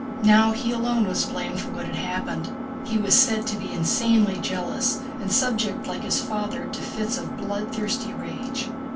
Now he alone was blamed for what had happened, he was said to be insanely jealous and subject like his father to fits of bloodthirsty rage.